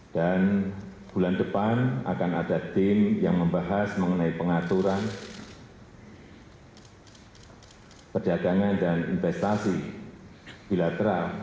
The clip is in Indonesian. dan bulan depan akan ada tim yang membahas mengenai pengaturan perdagangan dan investasi bilateral